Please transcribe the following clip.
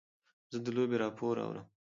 زه د لوبې راپور اورم.